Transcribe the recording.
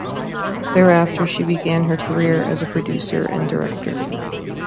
Thereafter she began her career as a producer and director.